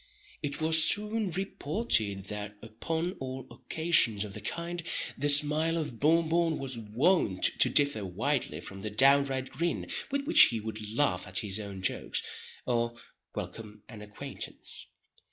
It was soon reported that, upon all occasions of the kind, the smile of Bon Bon was wont to differ widely from the downright grin with which he would laugh at his own jokes, or welcome an acquaintance.